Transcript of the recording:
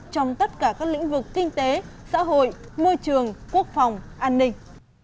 trong tất cả các lĩnh vực kinh tế xã hội môi trường quốc phòng an ninh